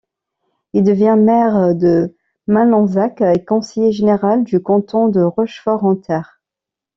Il devient maire de Malansac et conseiller général du canton de Rochefort-en-Terre.